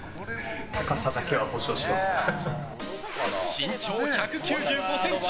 身長１９５ｃｍ！